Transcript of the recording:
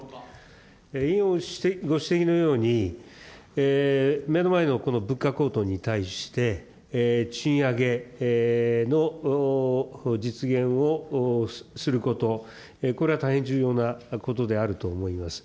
委員ご指摘のように、目の前の物価高騰に対して、賃上げの実現をすること、これは大変重要なことであると思います。